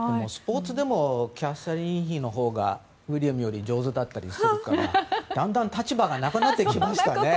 キャサリン妃のほうがウィリアムよりスポーツも上手だったりするからだんだん立場がなくなってきましたね。